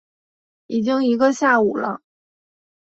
已经一个下午了